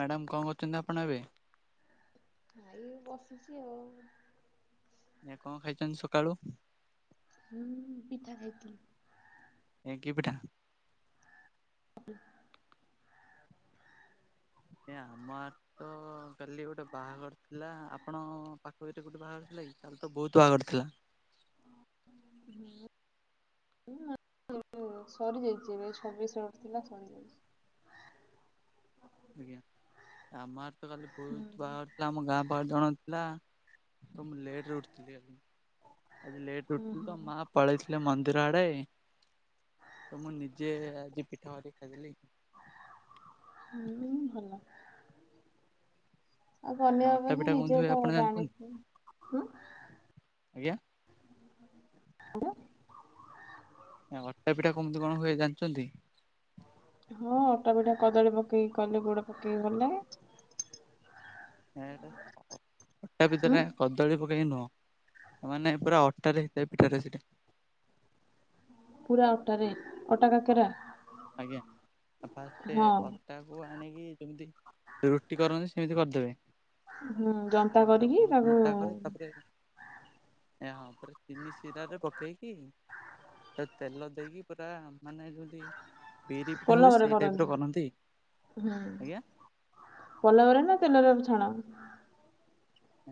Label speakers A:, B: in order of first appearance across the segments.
A: Madam କଣ କରୁଛନ୍ତି ଆପଣ ଏବେ?
B: ଏଇ ବସିଛି ଆଉ।
A: ଏ କଣ ଖାଇଛନ୍ତି ସକାଳୁ?
B: ମୁଁ ପିଠା ଖାଇଥିଲି।
A: ଏ କି ପିଠା?
B: [inaudible]
A: ସେ ଆମାର ତ କାଲି ଗୋଟେ ବାହାଘର ଥିଲା ଆପଣ ପାଖ ଭିତରେ ଗୋଟେ ବାହାଘର ଥିଲା କି? କାଲି ତ ବହୁତ ବାହାଘର ଥିଲା।
B: [inaudible] ସରିଯାଇଚି ଏବେ ଛବିଶ ରେ ର- ଥିଲା ସରିଯାଇଛି।
A: ଆଜ୍ଞା, ଆମା ଆଡେ ତ କାଲି ବହୁତ ବାହାର ଥିଲା ଆମ ଗାଁ ପାଖ ଜଣଙ୍କ ଥିଲା, ତ ମୁଁ ଲେଟ୍ ରେ ଉଠିଥିଲି ଆଉ। ଆଜି ଲେଟ୍ ରେ ଉଠିଥିଲି ତ ମା ପଳେଇଥିଲେ ମନ୍ଦିର ଆଡେ। ତ ମୁଁ ନିଜେ ଆଜି ପିଠା କରିକି ଖାଇଥିଲି।
B: ହୁଁ, ଭଲ। ଆଉ ବନିଆ
A: ଅଟା
B: ଅପେକ୍ଷା
A: ପିଠା କେମିତି
B: ନିଜେ
A: ହୁଏ ଆପଣ
B: ତୋମେ
A: ଜାଣିଛନ୍ତି?
B: ଜାଣିଛ ହୁଁ,
A: ଆଜ୍ଞା।
B: ଆଜ୍ଞା।
A: ଏ ଅଟା ପିଠା କମିତି କଣ ହୁଏ ଜାଣିଛନ୍ତି?
B: ହଁ ଅଟା ପିଠା କଦଳୀ ପକେଇକି କଲେ, ଗୁଡ ପକେଇକି କଲେ
A: [unintelligible]
B: ହୁଁ
A: କଦଳୀ ପକେଇକି ନୁହଁ। ମାନେ ପୁରା ଅଟାରେ ହେଇଥାଏ ପିଠାଟା ସେଇଟା।
B: ପୁରା ଅଟାରେ ଅଟା କାକେରା?
A: ଆଜ୍ଞା। ଆ ଫାଷ୍ଟେ
B: ହଁ
A: ଅ ତାକୁ ଆଣିକି ଯେମିତି ରୁଟି କରନ୍ତି ସେମିତି କରିଦେବେ।
B: ହୁଁ ଜନ୍ତା
A: ଏ ପୁରା
B: କରିକି
A: ବହୁତ
B: ତାକୁ
A: ମୋଟା କରେ ତାପରେ ଏ ହଁ ଫେରେ ଚିନି ଶିରାରେ ପକେଇକି ସେରା ତେଲ ଦେଇକି ପୁରା ମାନେ ଯଦି
B: ପଲମରେ କରନ୍ତି। ହୁଁ।
A: ଆଜ୍ଞା
B: ପଲମରେ ନା ତେଲରେ ଆକୁ ଛାଣ?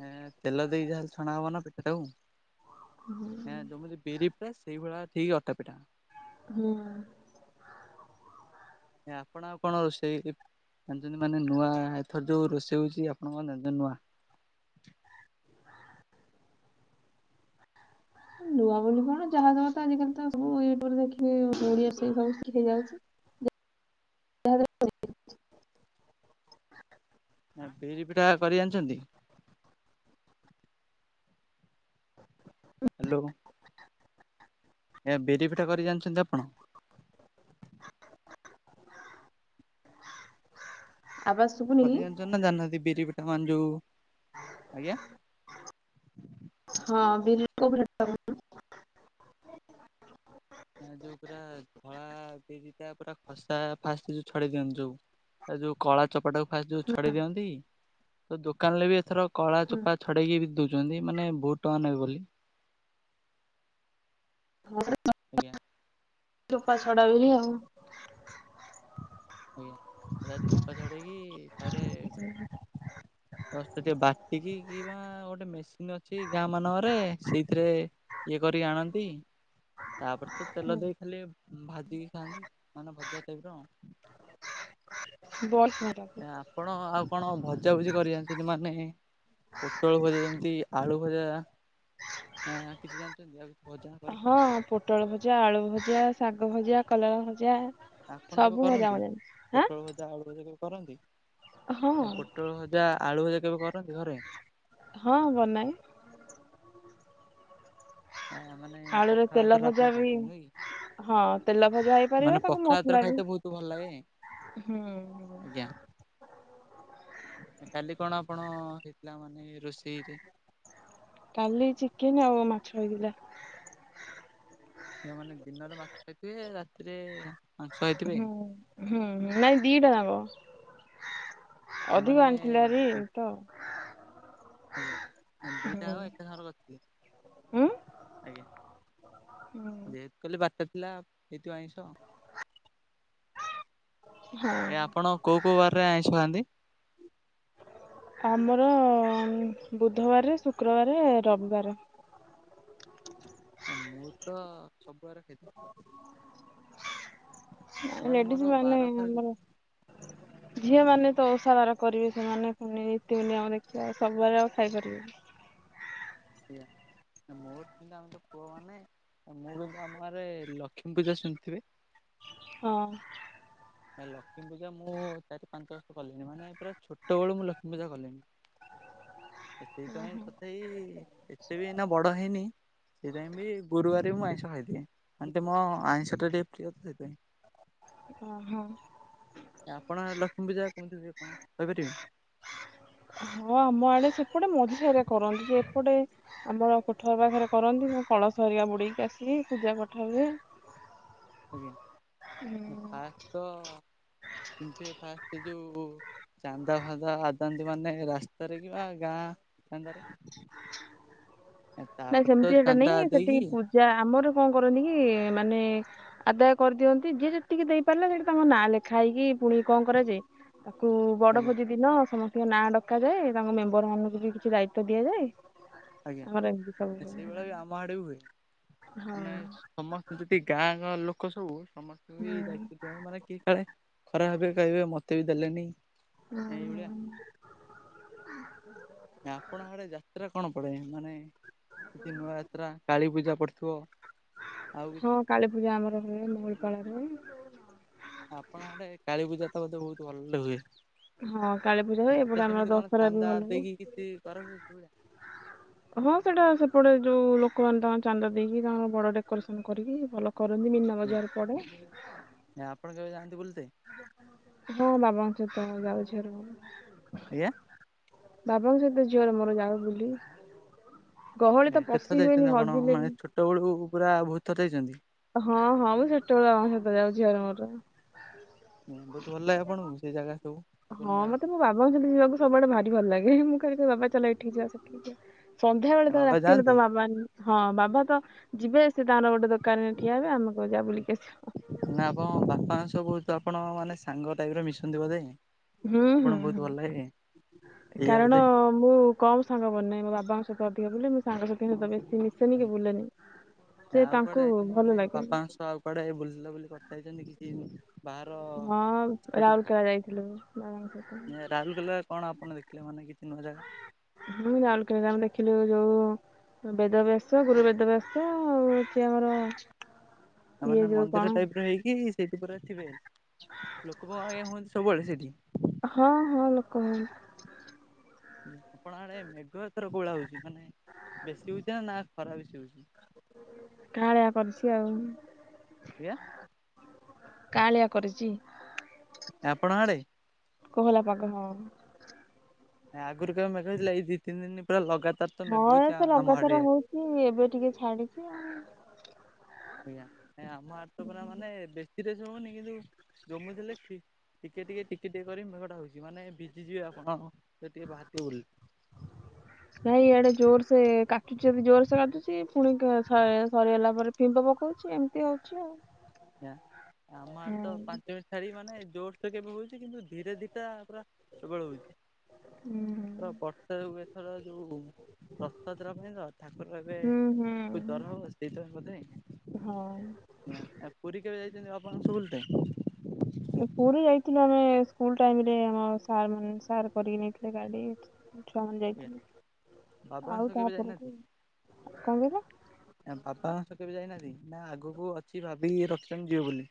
A: ଏ ତେଲ ଦେଇକି ଯାହେଲେ ଛଣା ହବ ନା ପିଠା ଟାକୁ। ହଁ ଯମିତି ବିରି ପିଠା ସେଇଭଳିଆ ସେଇ ଅଟା ପିଠା।
B: [unintelligible]
A: ଆ ଆପଣ ଆଉ କଣ ରୋଷେଇ ଜାଣିଛନ୍ତି ମାନେ ନୂଆ ଏଥର ଯୋଉ ରୋଷେଇ ହଉଚି ଆପଣ କଣ ଜାଣିଛନ୍ତି ନୂଆ?
B: ନୂଆ ବୋଲି କଣ ଯାହା ଦବ ତ ଆଜିକାଲି ତ ସବୁ ୟୁଟୁବ୍ ରେ ଦେଖିକି [unintelligible] ହେଇ ଯାଉଚି।
A: ଆଉ ବିରି ପିଠା କରି ଜାଣିଛନ୍ତି? ହାଲୋ। ଏ ଆ ବିରି ପିଠା କରି ଜାଣିଛନ୍ତି ଆପଣ?
B: [unintelligible]
A: କରି ଜାଣିଚନ୍ତି ନା ଜାଣିନାହାନ୍ତି ବିରି ପିଟା ମାନେ ଯଉ, ଆଜ୍ଞା?
B: ହଁ ବିରି। [unintelligible]
A: ଆ ଯୋଉ ପୁରା ଧଳା ବିରିଟା ଟା ପୁରା ଖସା ଫାଷ୍ଟ ଯୋଉ ଛଡେଇ ଦିଅନ୍ତି ଯୋଉ ତାର ଯୋଉ କଳା ଚୋପାଟାକୁ ଫାଷ୍ଟ୍ ଯୋଉ ଛଡେଇ ଦିଅନ୍ତି ତ ଦୋକାନ ରେ ବି ଏଥର କଳା ଚୋପା ଛଡେଇକି ବିକି ଦଉଛନ୍ତି ମାନେ ବହୁତ ଟଙ୍କା ନେବେ ବୋଲି।
B: [unintelligible]
A: ଆଜ୍ଞା।
B: ଚୋପା ଛଡା ବିିରି ଆଉ।
A: ଆଜ୍ଞା। ତା ଚୋପା ଛଡ଼େଇକି ଥରେ ଜଷ୍ଟ ଟିକେ ବାଟିକି କିବା ଗୋଟେ ମେସିନ୍ ଅଛି ଗାଁ ମାନଙ୍କରେ ସେଇଥିରେ ଇଏ କରିକି ଆଣନ୍ତି ତାପରେ ତ
B: ହୁଁ
A: ତେଲ ଦେଇ ଖାଲି ଭାଜିକି ଖାଆନ୍ତି। ମାନେ ଭଜା ଟାଇପ୍ ର।
B: [unintelligible]
A: ଆ ଆପଣ ଆଉ କଣ ଭଜାଭୁଜି କରି ଜାଣିଛନ୍ତି? ମାନେ ପୋଟଳ ଭଜା ଯେମତି ଆଳୁ ଭଜା। ଆଁ କିଛି ଜାଣିଛନ୍ତି ଆଉ ଭଜା କରି?
B: ହଁ ପୋଟଳ ଭଜା, ଆଳୁ ଭଜା, ଶାଗ ଭଜା, କଲରା ଭଜା।
A: ଆପଣ କେବେ
B: ସବୁ ଭଜା
A: କରନ୍ତି
B: ମୁଁ ଜାଣିଛି ଆଁ
A: ପୋଟଳ ଭଜା, ଆଳୁ ଭଜା କେବେ କରନ୍ତି?
B: ହଁ
A: ଏ ପୋଟଳ ଭ ଯା ଆଳୁ ଭଜା କେବେ କରନ୍ତି ଘରେ?
B: ହଁ ବନାଏ।
A: ଏହା ମାନେ
B: ଆଳୁରେ
A: ପଖାଳ
B: ତେଲ
A: ଭାତରେ
B: ଭଜା
A: ଆପଣ
B: ବି
A: ଖାଉଚନ୍ତି ନୁହଁ କି?
B: ହଁ ତେଲ ଭଜା ହେଇପାରିବ।
A: ମାନେ
B: ତାକୁ
A: ପଖାଳ ଭାତରେ
B: ମସଲା ବି
A: ଖାଇତେ ବହୁତ ଭଲ ଲାଗେ।
B: ହୁଁ।
A: ଆଜ୍ଞା କାଲି କଣ ଆପଣ ହେଇଥିଲା, ମାନେ ରୋଷେଇରେ?
B: କାଲି ଚିକେନ୍ ଆଉ ମାଛ ହେଇଥିଲା।
A: କେଉଁ ମାନେ ଦିନରେ ମାଛ ଖାଇଥିବେ। ରାତିରେ ମାଂସ ଖାଇଥିବେ
B: ହୁଁ, ହୁଁ ନାଇଁ ଦିଟା ଯାକ। ଅଧିକ
A: ସେମାନେ
B: ଆଣିଥିଲେ ଭାରି ତ।
A: ଆଜ୍ଞା। ଦିଇଟା
B: ହୁଁ
A: ଯାଙ୍କ ଏକା ସାଙ୍ଗରେ
B: ଉଁ
A: କରିଥିଲେ। ଆଜ୍ଞା। ଯେହେତୁ କାଲି ବାରି ଟା ଥିଲା ହେଇଥିବ ଆଇଁଷ।
B: ହୁଁ [inaudible]
A: ଏ ଆପଣ କୋଉ କୋଉ ବାରରେ ଆଇଁଷ ଖାଆନ୍ତି?
B: ଆମର ବୁଧବାରେ, ଶୁକ୍ରବାରେ, ରବିବାରେ।
A: ଏ ମୁଁ ତ ସବୁବାରେ ଖାଇ ଦିଏ। ତାମାନେ
B: ଲେଡିଜ
A: ମୋର
B: ମାନେ
A: ବାର ଫାର
B: ଆମର ଝିଅ ମାନେ ତ ଓଷାବାର କରିବେ ସେମାନେ ପୁଣି ରୀତି ନିୟମ ଦେଖିବେ, ସବୁବାରେ ଆଉ ଖାଇପାରିବେନି।
A: ଆଜ୍ଞା, ମୋର ଚିନ୍ତା ଆମେ ତ ପୁଅ ମାନେ। ମୁଁ କହିଲି ଆମ ଗାଁ ରେ ଲକ୍ଷ୍ମୀ ପୂଜା ଶୁଣିଥିବେ?
B: ହଁ।
A: ଲକ୍ଷ୍ମୀ ପୂଜା ମୁଁ ଚାରି ପାଞ୍ଚ ବର୍ଷ କଲିଣି ମାନେ ପୁରା ଛୋଟ ବେଳୁ ମୁଁ ଲକ୍ଷ୍ମୀ ପୂଜା କଲିଣି। ସେଥି ପାଇଁ ତଥାପି ଏତେ ବି ଏ ଲଇନା ବଡ଼ ହେଇନି ସେଥିାଇଁ ବି ଗୁରୁବାରେ ବି ମୁଁ ଆଇଁଷ ଖାଇଦିଏ। ଆଣ୍ଟି ମୋ ଆଇଁଷ ଟା ଟିକେ ପ୍ରିୟ ତ ସେଥିପାଇଁ।
B: ଓ ହୋ।
A: ଆପଣ ଲକ୍ଷ୍ମୀ ପୂଜା କହୁ ଥିଲେ କଣ କହି ପାରିବେ?
B: ହଁ ଆମ ଆଡ଼େ ସେପଟେ ମଝି ସାହିରେ କରନ୍ତି। ଯେ ଏପଟେ ଆମର କୋଠ ଘର ପାଖରେ କରନ୍ତି ମୁଁ କଳସ ଅରିକା ବୁଡ଼େଇକି ଆସିକି ପୂଜା ପାଠ ହୁଏ।
A: ଆଜ୍ଞା ଫାଷ୍ଟ୍ ତ ସେମିତି ଫାଷ୍ଟ। ସେ ଯୋଉ ଚାନ୍ଦା ଫାନ୍ଦା ଆଦାନ୍ତି ମାନେ ରାସ୍ତାର କି ବା ଗାଁ। ଚାନ୍ଦାରେ ତା ପରେ ତ ଚାନ୍ଦା ଦେଇକି
B: ଯା ଆମର କଣ କରନ୍ତି କି ମାନେ? ଆଦାୟ କରି ଦିଅନ୍ତି। ଯିଏ ଯେତିକି ଦେଇ ପାରିଲା, ସେଠି ତାଙ୍କ ନାଁ ଲେଖା ହେଇକି, ପୁଣି କଣ କରାଯାଏ। ତାକୁ ବଡ଼
A: ଆଜ୍ଞା
B: ଭୋଜି ଦିନ ସମସ୍ତଙ୍କ ନାଁ ଡକାଯାଏ। ତାଙ୍କ ମେମ୍ବର ମାନଙ୍କୁ ବି। କିଛି ଦାୟିତ୍ୱ ଦିଆ ଯାଏ।
A: ଆଜ୍ଞା, ସେଇ ଭଳିଆ ବି ଆମ ଆଡ଼େ ବି ହୁଏ। ମାନେ
B: ହଁ।
A: ସମସ୍ତେ ଜେତିକ୍ ଗାଁ ଗାଁ ଲୋକ ସବୁ, ସମସ୍ତଙ୍କୁ ବି
B: ହୁଁ
A: ଦାୟିତ୍ୱ ଦିଆ ହବ। ମାନେ କିଏ କାଳେ ଖରାପ୍ ଭାବିବେ କହିବେ ମୋତେ ବି ଦେଲେନି ଏଇ ଭଳିଆ। ଆପଣ ଆଡ଼େ ଯାତ୍ରା କଣ ପଡ଼େ? ମାନେ କିଛି ନୂଆ ଯାତ୍ରା କାଳୀ ପୂଜା ପଡ଼ିଥିବ। ଆଉ କିଛି
B: ହଁ କାଳୀ ପୂଜା ଆମର ହୁଏ। ମଙ୍ଗଳ ପାଳରେ।
A: ଆପଣଙ୍କ ଆଡ଼େ କାଳୀ ପୂଜା ତ ବୋଧେ ବହୁତ ଭଲରେ ହୁଏ।
B: ହଁ କାଳୀ ପୂଜା ହୁଏ ଏପଟେ
A: ତ
B: ଆମର
A: ସେମିତି କଣ
B: ଦଶହରା ବି
A: ଚନ୍ଦା
B: ଭଲ ହୁଏ।
A: ଦେଇକି କିଛି କରନ୍ତି କେବେ
B: ହଁ ସେଟା ସେପଟେ ଯୋଉ ଲୋକମାନେ ତାଙ୍କର ଚାନ୍ଦା ଦେଇକି ତାଙ୍କର ବଡ଼ ଡେକୋରେସନ କରିକି ଭଲ କରନ୍ତି। ମିନା ବଜାର ପଡ଼େ।
A: ନାଇଁ ଆପଣ କେବେ ଯାଆନ୍ତି ବୁଲି
B: ହଁ, ବାବା ଙ୍କ ସହିତ ଯାଉ ଝିଅର ମୋର।
A: ଆଜ୍ଞା।
B: ବାବାଙ୍କ ସହିତ ଝିଅର ମୋର ଯାଉ ବୁଲି। ଗହଳି ତ
A: କେତେଥର
B: ପଶି
A: ଯାଇଛନ୍ତି
B: ହୁଏନି
A: ଆପଣ
B: ହଜିଲେ
A: ମାନେ
B: ବି
A: ଛୋଟ ବେଳୁ ପୁରା ଭୂତ ଦେଖୀଛନ୍ତି।
B: ହଁ ହଁ ମୁଁ ଛୋଟବେଳୁ ଆମେ ସହିତ ଯାଉ ଝିଅ ର ମୋର।
A: ବହୁତ ଭଲ ଲାଗେ ଆପଣଙ୍କୁ ସେଇ ଜାଗା ସବୁ
B: ହଁ
A: ଠାକୁର ଙ୍କ ଜାଗା।
B: ମତେ ମୋ ବାବାଙ୍କ ସହିତ ଯିବାକୁ ସବୁ ଆଡ଼େ ଭାରି ଭଲ ଲାଗେ। ମୁଁ କହିବି ବାବା ଚାଲ ଏଠିକି ଯିବା ସେଠିକି ଯିବା। ସନ୍ଧ୍ୟା ବେଳେ ତ
A: ବାବା
B: ରାତି ହେଲେ ତ
A: ଯାଆନ୍ତି?
B: ବାବା ହଁ ବାବା ତ ଯିବେ ସେ ତାର ଗୋଟେ ଦୋକାନ ରେ ଠିଆ ହେବେ ଆମକୁ କହିବେ ଯା ବୁଲିକି ଆସ।
A: ନା ଆପଣ ବାପା ଙ୍କ ସହ ବହୁତ ଆପଣ ମାନେ ସାଙ୍ଗ ଟାଇପରେ ମିଶନ୍ତି ବୋଧେ।
B: ହୁଁ
A: ଆପଣଙ୍କୁ ବହୁତ
B: ହୁଁ
A: ଭଲ ଲାଗେ ଏଇଆ
B: କାରଣ।
A: ବୋଧେ?
B: ମୁଁ କମ ସାଙ୍ଗ ବନାଏ ମୋ ବାବାଙ୍କ ସହିତ ଅଧିକ ବୁଲେ ମୋ ସାଙ୍ଗ ସହିତ ବେଶୀ ମିଶ। ସେମିତି
A: ଆଜ୍ଞା।
B: ବୁଲେନି ସେ ତାଙ୍କୁ ଭଲ ଲାଗେନି।
A: ତ ଆଉ କୁଆଡେ ବୁଲିଲ ବୋଲି କଥା ହେଇଛନ୍ତି କି ବାହାର
B: ହଁ
A: ସେଠି
B: ରାଉରକେଲା ଯାଇଥିଲୁ ବାବାଙ୍କ ସହିତ।
A: ରାହୁଲ କହିଲେ କଣ ଆପଣ ଦେଖ। ପିଲା ମାନେ କିତିନି ହଜାର।
B: ହୁଁ ରାଉଲୁ କେଲାରେ ଆମେ ଦେଖିଲୁ ଯୋଉ ବେଦବ୍ୟାସ ଗୁରୁ ବେଦବ୍ୟାସ ଆଉ ଅଛି ଆମର ଇଏ
A: ତାମାନେେ
B: ଯୋଉ
A: ମନ୍ଦିର
B: କଣ
A: ଟାଇପି ର ହେଇକି ସେଇଟି ପୁରା ଥିବେ ଲୋକ ବଅହେ ସବୁବେଳେ ହୁଅନ୍ତି ସେଇଠି।
B: ହଁ ହଁ ଲୋକ ମାନେ
A: ଆପଣ ଆଡେ ମେଘ ଏଥର କୋଭଳା ହଉଛି ମାନେ ବେଶୀ ହଉଛି ନା ନା ଖରା ବେଶୀ ହଉଛି।
B: କାଁଳିଆ କରୁଛି ଆଉ।
A: ଆଜ୍ଞା।
B: କାଁଳିଆ କରିଛି।
A: ଏ ଆପଣଙ୍କ ଆଡ଼େ।
B: କୁହଲା ପାଗ ହଁ।
A: ଆଗରୁ କେବେ ମେଘ ହେଇଥିଲା ଦି ତିନି ଦିନ ପୁରା ଲଗାତାର ତ
B: ହଁ
A: ମେଘ
B: ଏ
A: ହଉଛି
B: ତ
A: ଆମ ଆଡେ
B: ଲଗାତର ହଉଛି ଏବେ ଟିକେ ଛାଡିଛି ଆଉ।
A: ଆଜ୍ଞା ନାଇ ଆମ ଆଡେ ତ ପୁରା ମାନେ ବେଶୀ ରେସ୍ ରେ ହଉନି କିନ୍ତୁ ଜମୁଥିଲେ ଖି ଟିକେ ଟିକେ ଟିକେ ଟିକେ କରି ମେଘଟା ହଉଛି ମାନେ ଭିଜିଯିବେ ଆପଣ ଟିକେ ବାହାରି ଥିବ ବୋଲି।
B: ନାଇଁ ଇଆଡେ ଜୋର ସେ କାଟୁଛି ଯଦି ଜୋର ସେ କାଟୁଛି ପୁଣି କ ସ ସରିଗଲା ପରେ ଫିମ୍ବ ପକଉଛି ଏମିତି ହଉଛି। ଆଉ।
A: ଆଜ୍ଞା ଆମ
B: ହଁ
A: ଆଡ଼େ ତ ପାଞ୍ଚ ମି ରି ମାନେ ଜୋରସ କେବେ ହଉଛି କିନ୍ତୁ ଧୀରେ ଧିଟା ପୁରା ସବଳେ ହଉଛି।
B: ହୁଁ।
A: ପୁରା ପର୍ତେ ହୁଏଥର ଯୋଉ ରଥଯାତ୍ରା ପାଇଁ ତ ତାକୁର ଏବେ
B: ହୁଁ ହୁଁ
A: କୋ ଜର ହବ ସେଇଥି ପାଇଁ ବୋଧେ।
B: ହଁ।
A: ୟା ପୁରୀ କେବେ ଯାଇଛନ୍ତି ଆପଣ ରଥ ବୁଲିତେ।
B: ପୁରୀ ଯାଇଥିଲୁ ଆମେ ସ୍କୁଲ ଟାଇମ ରେ ଆମ ସାର୍ ମାନେ ସାର୍ କରିକି ନେଇଥିଲେ ଗାଡି।
A: [inaudible]
B: ଛୁଆମାନେ ଯାଇଥିଲି
A: ବାବାଂଶ
B: ଆଉ
A: କେବେ
B: ତାପଠୁ
A: ଯାଇନାହାନ୍ତି?
B: କଣ କହିଲ।
A: ନା ବାବା ସହ କେବେ ଯାଇନାହାନ୍ତି ନା ଆଗକୁ ଅଛି ଭାବିକି ରଖିଛନ୍ତି ଯିବେ ବୋଲି।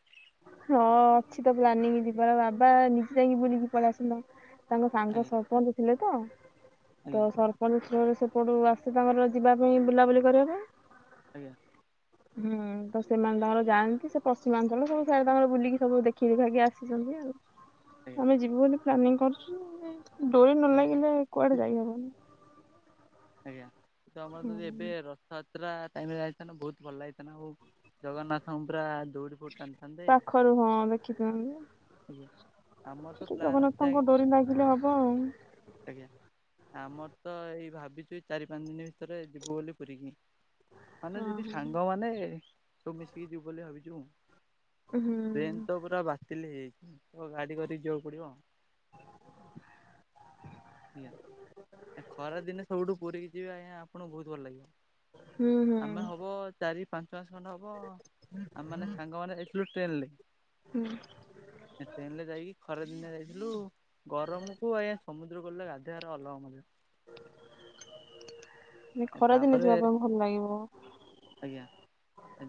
B: ହଁ ଅଛି ତ ପ୍ଲାନିଂ ଯିବାର ବାବା ନିଜେ ଯାଇକି ବୁଲିକି ପଳେଇସୁନ। ତାଙ୍କ ସାଙ୍ଗ
A: ଆଜ୍ଞା
B: ସରପଞ୍ଚ ଥିଲେ ତ
A: ଆଜ୍ଞା
B: ତ ସର ପଞ୍ଚ ରୁ ସେପଟ ରୁ ଆସେ ତାଙ୍କର ଯିବା ପାଇଁ ବୁଲାବୁଲି କରିବା ପାଇଁ।
A: ଆଜ୍ଞା।
B: ହୁଁ ତ ସେମାନେ ତାଙ୍କର ଯାଆନ୍ତି ସେ ପଶ୍ଚିମାଞ୍ଚଳ ସବୁ ସେଆଡେ ତାଙ୍କର ବୁଲିକି ସବୁ ଦେଖି ଦେଖାକି ଆସିଛନ୍ତି ଆଉ। ଆମେ ଯିବୁ ବୋଲି ପ୍ଲାନିଂ କରୁଛୁ ଡୋରି ନ
A: ଆଜ୍ଞା
B: ଲାଗିଲେ କୁଆଡେ ଯାଇହବନି।
A: ଆଜ୍ଞା ତ ଆମର ଯଦି ଏବେ ର ଥ ଯାତ୍ରା ଟାଇମ ରେ ଯାଉଥାନ୍ତ ବହୁତ ଭଲ ଲାଗିଥାନ୍ତା ଆଉ ଜଗନ୍ନାଥଙ୍କୁ ପୁରା ଦୌଡି ଡି ଟାଣୁଥାନ୍ତେ
B: ପାଖରୁ ହଁ
A: ଆଜ୍ଞା। ଆମର
B: ସେ
A: ତ
B: ଟିକେ
A: ପ୍ଲାନ୍ ଅଛି ଆଜ୍ଞା
B: ଜଗନ୍ନାଥଙ୍କ ଡୋରି ନାଗିଲେ ହବ ଆଉ।
A: ଆଜ୍ଞା। ଆମର ତ ଏଇ ଭାବିଛୁ ଚାରି ପାଞ୍ଚ ଦିନ ଭିତରେ ଯିବୁ ବୋଲି ପୁରୀକି। ମାନେ
B: ହଁ
A: ଯଦି
B: ହଁ।
A: ସାଙ୍ଗମାନେ ସବୁ ମିଶିକି ଯିବୁ ବୋଲି ଭାବିଛୁ
B: ହୁଁ
A: ଟ୍ରେନ ତ
B: ହୁଁ
A: ପୁରା ବାତିଲ ହେଇଯାଇଛି ତ ଗାଡି କରିକି ଯିବାକୁ ପଡିବ ଆଉ। ଆଜ୍ଞା। ଖରା ଦିନେ ସବଠୁ ପୁରୀ ଯିବ ଆଜ୍ଞା ଆପଣଙ୍କୁ ବହୁତ ଭଲ ଲାଗିବ।
B: ହୁଁ ହୁଁ।
A: ଆମେ ହବ ଚାରି ପାଞ୍ଚ ମାସ ଖଣ୍ଡେ ହବ ଆମ ମାନେ ସାଙ୍ଗମାନେ ଯାଇଥିଲୁ ଟ୍ରେନ ରେ।
B: ହୁଁ।
A: ଟ୍ରେନ ରେ ଯାଇକି ଖରା ଦିନେ ଯାଇଥିଲୁ ଗରମକୁୁ ଆଇ ଆ ସମୁଦ୍ର କୁଳରେ ଗାଧେଇ ବାରେ ଅଲଗା ମଜା।
B: ଏ ଖରାଦିନେ
A: ତାପରେ
B: ଯିବା ପାଇଁ ଭଲ ଲାଗିବ।
A: ଆଜ୍ଞା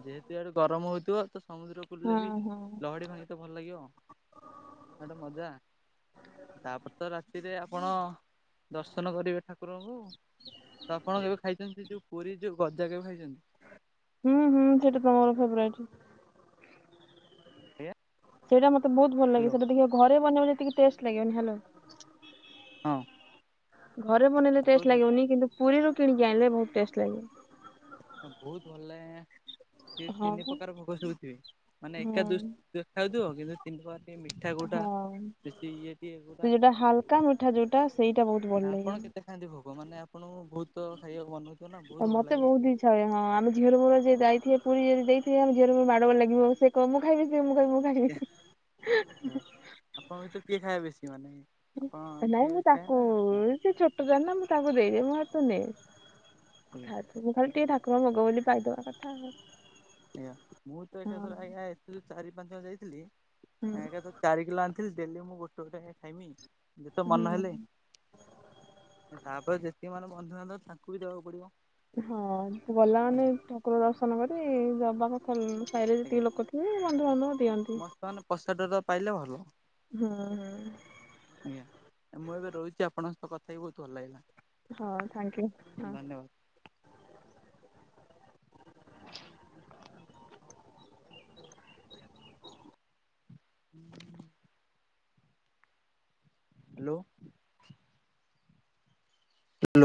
A: ଯେହେତୁ ଇଆଡେ ଗରମ୍ ହେଥିବ ତ ସମୁଦ୍ର
B: ହୁଁ
A: କୂଳରେ ବି
B: ହୁଁ।
A: ଲହଡ଼ି ଭାଙ୍ଗିି ତ ଭଲ୍ ଲାଗିବ ଏଟା ମଜା। ତାପରେ ତ ରାତିରେ ଆପଣ ଦର୍ଶନ କରିବେ ଠାକୁରଙ୍କୁ। ତ ଆପଣ କେବେ ଖାଇଚନ୍ତି ଯୋଉ ପୁରୀ ଯୋଉ ଗଜା କେବେ ଖାଇଚନ୍ତି?
B: ହୁଁ-ହୁଁ ସେଇଟା ତ ମୋର ଫେବରାଇଟ୍।
A: [unintelligible]
B: ସେଇଟା ମତେ ବହୁତ୍ ଭଲ୍ ଲାଗେ,
A: ହ୍ୟାଲୋ।
B: ସେଟା ଟିକେ ଘରେ ବନେଇବ ଯେତିକି ଟେଷ୍ଟ ଲାଗିବନି ହାଲୋ।
A: ହଁ।
B: ଘରେ ବନେଇଲେ ଟେଷ୍ଟ ଲାଗିବନି କିନ୍ତୁ ପୁରୀରୁ କିଣିକି ଆଣିଲେ ବହୁତ୍ ଟେଷ୍ଟ ଲାଗେ।
A: ବହୁତ୍ ଭଲ୍ ଲାଗେ ସେ
B: ହଁ
A: ତିନି
B: ପା।
A: ପ୍ରକାର ଭୋଗ [unintelligible] ମାନେ ଏକା ଦୁ
B: ହଁ
A: ଦେଖାଉଥିବ କିନ୍ତୁ ତିନି [unintelligible] ମିଠା କୋଉଟା।
B: ହଁ
A: ବେଶି ଇଏ
B: ସେ
A: [unintelligible]
B: [unintelligible] ମିଠା ଯୋଉଟା ସେଇଟା ବହୁତ୍ ଭଲ୍ ଲାଗେ।
A: ଆପଣ କେତେ ଖାଆନ୍ତି ଭୋଗ ମାନେ ଆପଣଙ୍କୁ ବହୁତ ଖାଇବାକୁ [unintelligible]
B: ଆଉ
A: ଭଲ
B: ମତେ
A: ଲାଗେ।
B: ବହୁତ୍ [unintelligible] ହଁ ଆମ ଝିଅର ମୋର ଯିଏ ଯାଇଥିବେ ପୁରୀ ଯଦି ଦେଇଥିବେ ଆମ ଝିଅର ମୋର ମାଡ଼ ବଳ ଲାଗିବ ସେ କହିବ ମୁଁ ଖାଇବି [unintelligible]
A: ଆପଣଙ୍କ ଭତୁରୁ କିଏ ଖାଇ ବେଶି ମାନେ ଆପଣ
B: ନାଇଁ
A: ଝିଅ
B: ମୁଁ
A: ବେଶୀ ଖାଏ
B: ତାକୁ
A: ନା ଆପଣ?
B: ସେ ଛୋଟ ଛୁଆ ନା ମୁଁ ତାକୁ ଦେଇଦିଏ, ମୁଁ [unintelligible] ତୁ ନେ। [unintelligible]
A: ଆଜ୍ଞା
B: ଖାଲି ଟିକେ ଠାକୁର ଭୋଗ ବୋଲି ପାଇଦବା କଥା ଆଉ।
A: ଆଜ୍ଞା ମୁଁ ତ
B: ହଁ
A: ଏକାଥରେ ଆଜ୍ଞା ଏଥିରୁ ଚାରି ପାଞ୍ଚ ଜଣ ଯାଇଥିଲି
B: ହୁଁ
A: ଏକାଥ ଚାରି କିଲୋ ଆଣିଥିଲି, ଡେଲି ମୁଁ ଗୋଟ-ଗୋଟେ ଖାଇମି ଯେତେ ମନ
B: ହୁଁ।
A: ହେଲେ। ତାପରେ ଯେତିକି ମାନେ ବନ୍ଧୁବାନ୍ଧବ ତାଙ୍କୁ ବି ଦବାକୁ ପଡିବ।
B: ହଁ ଗଲା ମାନେ
A: ଆଜ୍ଞା
B: ଠାକୁର ଦର୍ଶନ କରି ଦବାକ କ ସାହିରେ ଯେତିକି ଲୋକ ଥିବେ ବନ୍ଧୁବାନ୍ଧବ ଦିଅନ୍ତି।
A: ସେମାନେ ପସାଦ ଟା ପାଇଲେ ଭଲ।
B: ହୁଁ।
A: ଆଜ୍ଞା ମୁଁ ଏବେ ରହୁଚି, ଆପଣଙ୍କ ସହ କଥା ହେଇକି ବହୁତୁ ଭଲ୍ ଲାଗିଲା।
B: ହଁ ଥ୍ୟାଙ୍କୟୁ ହଁ।
A: ଧନ୍ୟବାଦ। ହାଲୋ। ହଲୋ